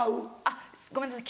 あっごめんなさい